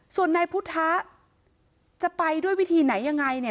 ส่วนนายพุทธะจะไปด้วยวิธีไหนยังไงเนี่ย